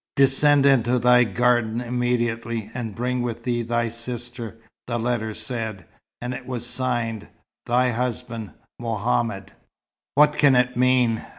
"Descend into thy garden immediately, and bring with thee thy sister," the letter said. And it was signed "Thy husband, Mohammed." "What can it mean?"